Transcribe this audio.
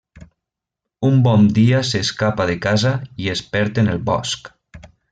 Un bon dia s'escapa de casa i es perd en el bosc.